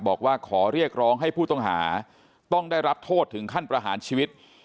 บอกว่าขอเรียกร้องให้ผู้ต้องหาต้องได้รับโทษถึงขั้นประหารชีวิต